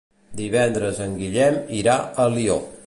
Divendres en Guillem irà a Alió.